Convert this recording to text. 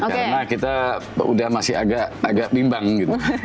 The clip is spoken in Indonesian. karena kita udah masih agak agak bimbang gitu